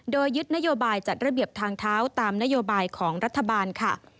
โดยยึดนโยบายจัดระเบียบทางเท้าตามนโยบายของรัฐบาลค่ะ